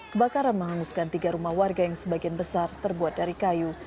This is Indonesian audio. kebakaran menghanguskan tiga rumah warga yang sebagian besar terbuat dari kayu